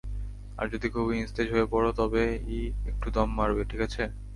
আর যদি খুবই নিস্তেজ হয়ে পড়ো, তবেই একটু দম মারবে, ঠিক আছে?